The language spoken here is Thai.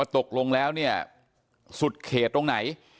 ตกลงแล้วเนี่ยสุดเขตตรงไหน